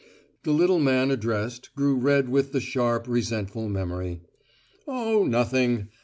The little man addressed grew red with the sharp, resentful memory. "Oh, nothing!